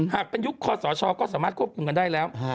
หากเป็นยุคคอสชก็สามารถควบคุมกันได้แล้ว